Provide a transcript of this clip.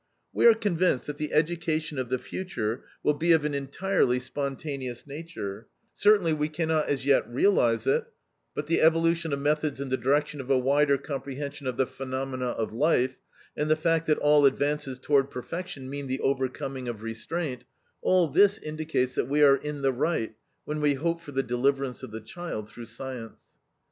"We are convinced that the education of the future will be of an entirely spontaneous nature; certainly we can not as yet realize it, but the evolution of methods in the direction of a wider comprehension of the phenomena of life, and the fact that all advances toward perfection mean the overcoming of restraint, all this indicates that we are in the right when we hope for the deliverance of the child through science.